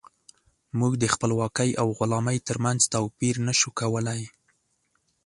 موږ د خپلواکۍ او غلامۍ ترمنځ توپير نشو کولی.